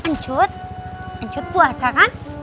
ncut ncut puasa kan